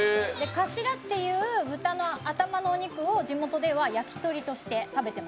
カシラっていう豚の頭のお肉を地元では焼き鳥として食べてます。